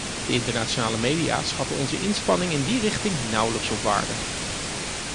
De internationale media schatten onze inspanningen in die richting nauwelijks op waarde.